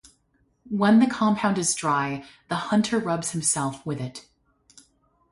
When the compound is dry, the hunter rubs himself with it.